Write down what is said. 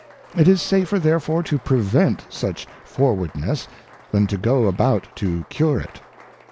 It is safer therefore to prevent such For wardness, than to go about to cure it.